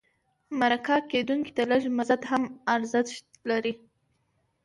مرکه کېدونکي ته لږ مزد هم ارزښت لري.